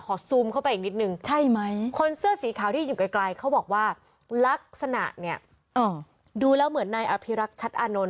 ซูมเข้าไปอีกนิดนึงใช่ไหมคนเสื้อสีขาวที่อยู่ไกลเขาบอกว่าลักษณะเนี่ยดูแล้วเหมือนนายอภิรักษ์ชัดอานนท